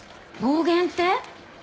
暴言って？